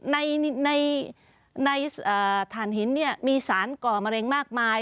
ในถ่านหินเนี่ยมีสารก่อมะเร็งมากมาย